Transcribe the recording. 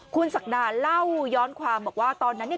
คุณศักดาเล่าย้อนความบอกว่าตอนนั้นเนี่ย